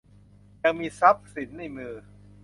ยังมีทรัพย์สินในมือ